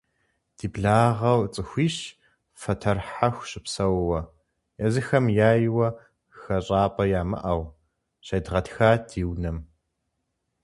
Ди благъэу цӀыхуищ, фэтэр хьэху щыпсэууэ, езыхэм яйуэ хэщӀапӀэ ямыӀэу, щедгъэтхат ди унэм.